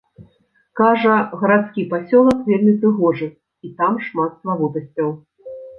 Кажа, гарадскі пасёлак вельмі прыгожы, і там шмат славутасцяў.